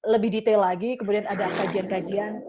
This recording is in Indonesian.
lebih detail lagi kemudian ada kajian kajian